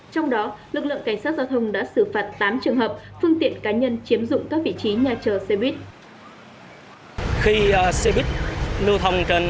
trong đó lực lượng cảnh sát giao thông đã xử phạt tám trường hợp phương tiện cá nhân chiếm dụng các vị trí nhà chờ xe buýt